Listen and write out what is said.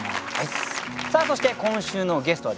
そして今週のゲストはですね